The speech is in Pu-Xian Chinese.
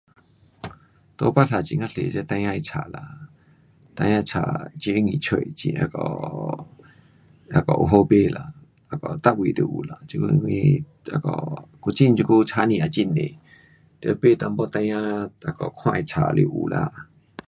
在巴萨很呀多这孩儿的书啦，孩儿书很容易找，很那个，那个有好买啦，那个每样都有啦，这久有什那个，古晋这久书店也很多，买一点孩儿那个看的书是有啦。